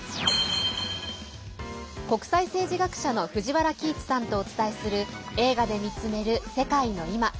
国際政治学者の藤原帰一さんとお伝えする「映画で見つめる世界のいま」。